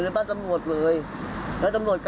แล้วบ้างแล้วโน๊ตทุบหนูเสร็จ